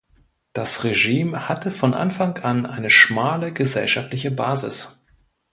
Das Regime hatte von Anfang an eine schmale gesellschaftliche Basis.